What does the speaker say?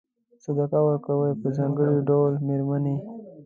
صدقه ورکوي په ځانګړي ډول مېرمنې.